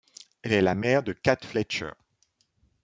Elle est la mère de Cat Fletcher.